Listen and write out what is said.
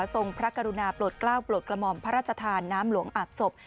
ทรงพระกรุณาโปรดกล้าวโปรดกระหม่อมพระราชทานน้ำหลวงอาบศพ